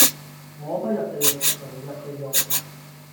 我不入地獄,誰入地獄